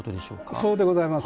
そうでございます。